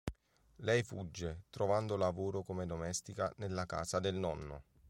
Lei fugge, trovando lavoro come domestica nella casa del nonno.